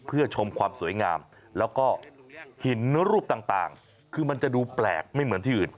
เพื่อชมความสวยงามแล้วก็หินรูปต่างคือมันจะดูแปลกไม่เหมือนที่อื่น